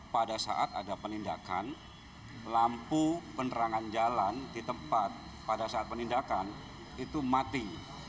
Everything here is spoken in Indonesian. pada saat ada penindakan lampu penerangan jalan di tempat pada saat penindakan itu mati